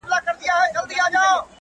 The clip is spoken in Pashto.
• لكه ژړا؛